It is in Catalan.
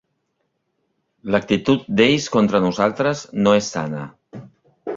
L'actitud d'ells contra nosaltres no és sana.